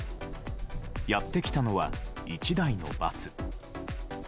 やってきたのは１台のバス。